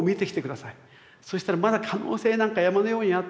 そしたらまだ可能性なんか山のようにあって。